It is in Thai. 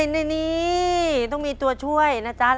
ในนี้ต้องมีตัวช่วยนะจ๊ะ